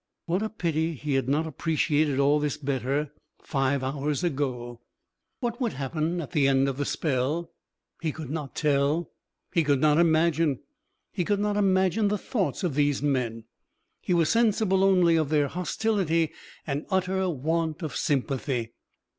What a pity he had not appreciated all this better five hours ago! What would happen at the end of the spell? He could not tell. He could not imagine. He could not imagine the thoughts of these men. He was sensible only of their hostility and utter want of sympathy.